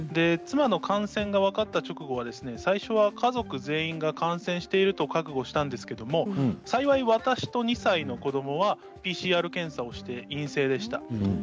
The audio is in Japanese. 妻の感染が分かった直後は最初は家族全員が感染していると覚悟したんですけれど幸い、私と２歳の子どもはＰＣＲ検査をして陰性でした。